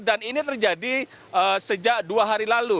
dan ini terjadi sejak dua hari lalu